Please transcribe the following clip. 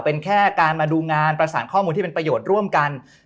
เป็นแค่การมาดูงานประสานข้อมูลที่เป็นประโยชน์ร่วมกัน